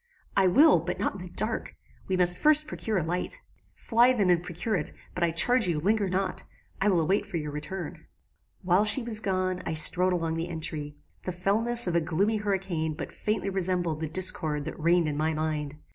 "I will, but not in the dark. We must first procure a light." "Fly then and procure it; but I charge you, linger not. I will await for your return. "While she was gone, I strode along the entry. The fellness of a gloomy hurricane but faintly resembled the discord that reigned in my mind.